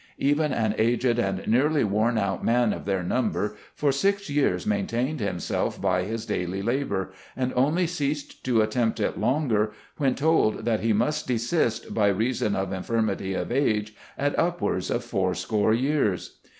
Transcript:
Even an aged and nearly worn out man of their number for six years maintained himself by his daily labor, and only ceased to attempt it longer, when told that he must desist by reason of infirmity of age, at upwards of four score years.